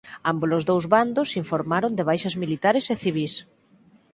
Ámbolos dous bandos informaron de baixas militares e civís.